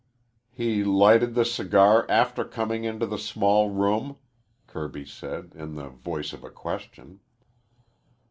"He lighted the cigar after coming into the small room," Kirby said, in the voice of a question.